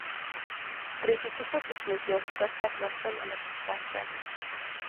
A kritikusok ismét jól fogadták Watson alakítását.